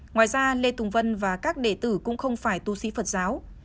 ngoài ra lê tùng vân và các đệ tử cũng không phải tu sĩ phật giáo